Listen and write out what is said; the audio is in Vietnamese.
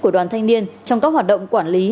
của đoàn thanh niên trong các hoạt động quản lý